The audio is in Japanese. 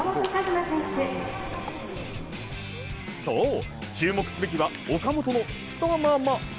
そう、注目すべきは岡本の太もも。